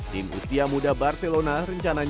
tim usia muda barcelona akan berjalan dengan baik